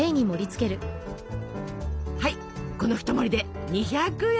はいこの一盛りで２００円。